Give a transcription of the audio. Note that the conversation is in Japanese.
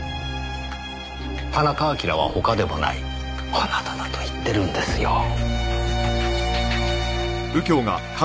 田中晶は他でもないあなただと言ってるんですよ。